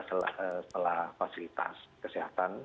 setelah fasilitas kesehatan